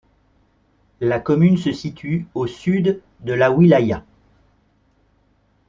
La commune se situe au sud de la wilaya.